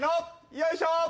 よいしょ！